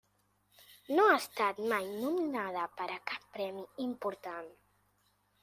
No ha estat mai nominada per a cap premi important.